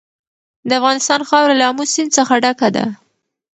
د افغانستان خاوره له آمو سیند څخه ډکه ده.